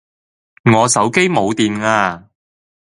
我手機冇電呀